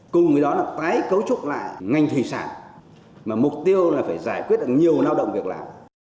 cùng với đó là tái cấu trúc lại ngành thủy sản mà mục tiêu là phải giải quyết được nhiều lao động việc làm